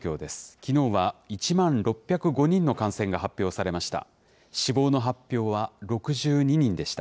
きのうは１万６０５人の感染が発表されました。